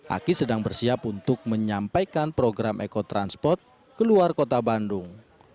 aki sedang bersiap untuk menyampaikan program ekotransport ke luar kota bandung